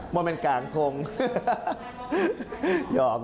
มันเป็นกลางทง